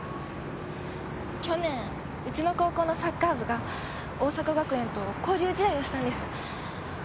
去年うちの高校のサッカー部が桜咲学園と交流試合をしたんです。